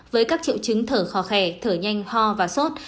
với các triệu chứng thở khó khẻ thở nhanh ho và sốt